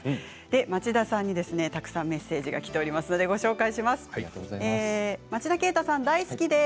町田さんにたくさんメッセージがきているので、ご紹介します。